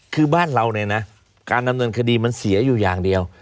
คือบ้านเราเนี่ยนะการดำเนินคดีมันเสียอยู่อย่างเดียว